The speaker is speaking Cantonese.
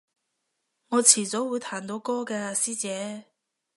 我遲早會彈到歌㗎師姐